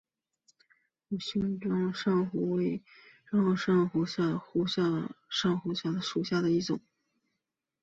笏形蕈珊瑚为蕈珊瑚科蕈珊瑚属下的一个种。